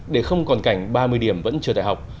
để không còn cảnh ba mươi điểm vẫn chưa thể học